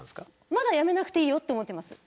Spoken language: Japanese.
まだやめなくていいよと思っています。